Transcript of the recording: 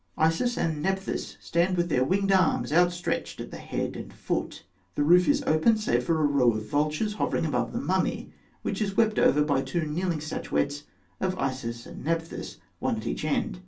Isis and Nephthys stand with their winged arms outstretched at the head and foot. The roof is open, save for a row of vultures hovering above the mummy, which is wept over by two kneeling statuettes of Isis and Nephthys, one at each end.